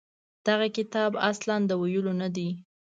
دغه کتاب اصلاً د ویلو نه دی.